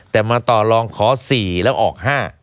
แต่มาต่อลองขอ๔แล้วออก๕